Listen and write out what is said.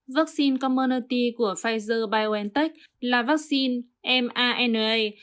vaccine community của pfizer biontech là vaccine mrna